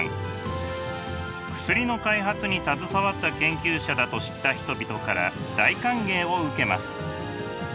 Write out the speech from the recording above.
薬の開発に携わった研究者だと知った人々から大歓迎を受けます。